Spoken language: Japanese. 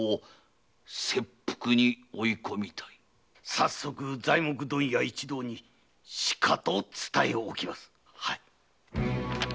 早速材木問屋一同にしかと伝えおきます。